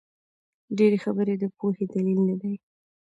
ډېري خبري د پوهي دلیل نه دئ.